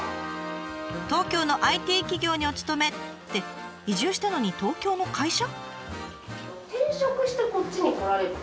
「東京のＩＴ企業にお勤め」って移住したのに東京の会社？